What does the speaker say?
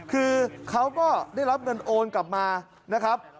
คือเขาก็ได้รับเงินโอนกลับมานะครับ